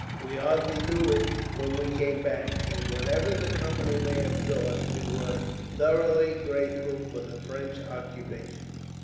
We hardly knew it when we came back, and whatever the Company may have thought, we were thoroughly grateful for the French occupation.